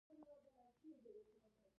د خپلواکو ښارونو را ټوکېدل مهم ټکي وو.